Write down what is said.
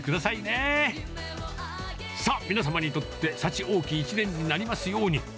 皆様にとって幸多き一年になりますように。